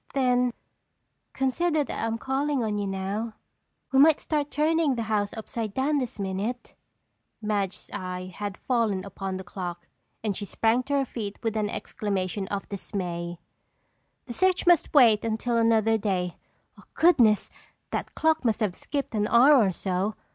"Then consider that I'm calling on you now. We might start turning the house upside down this minute!" Madge's eye had fallen upon the clock and she sprang to her feet with an exclamation of dismay. "The search must wait until another day. Goodness! That clock must have skipped an hour or so!